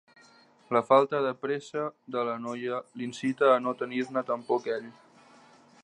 La falta de pressa de la noia l'incita a no tenir-ne tampoc ell.